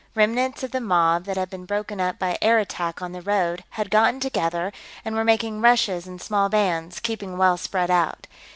Remnants of the mob that had been broken up by air attack on the road had gotten together and were making rushes in small bands, keeping well spread out.